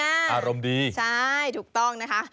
อารมณ์ดีใช่ถูกต้องนะคะ